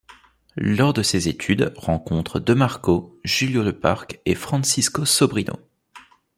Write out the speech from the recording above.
Lors de ses études, rencontre Demarco, Julio Le Parc et Francisco Sobrino.